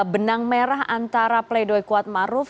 benang merah antara pleidoy kuatmaruf